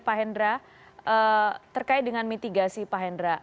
pak hendra terkait dengan mitigasi pak hendra